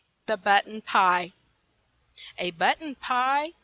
THE BUTTON PIE. A BUTTON pie!